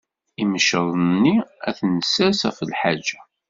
Imceḍ-nni ad t-nessers ɣef lḥaǧa.